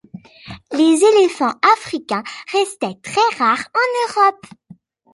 Les éléphants africains restaient très rares en Europe.